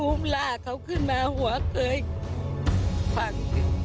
หุ่มล่าเขาขึ้นมาหัวเคยฟัง